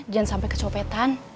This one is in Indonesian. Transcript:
jangan sampai kecopetan